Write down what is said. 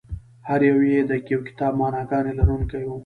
هر یو یې د یو کتاب معناګانې لرونکي وو.